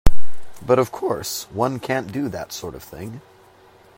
But, of course, one can't do that sort of thing.